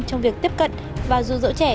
trong việc tiếp cận và dụ dỗ trẻ